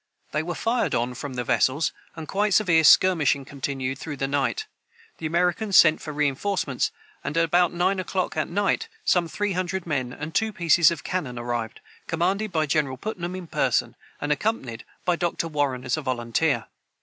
They were fired on from the vessels, and quite severe skirmishing continued through the night. The Americans sent for reinforcements, and, at about nine o'clock at night, some three hundred men and two pieces of cannon arrived, commanded by General Putnam in person, and accompanied by Dr. Warren as a volunteer.